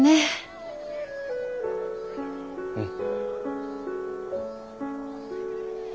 うん。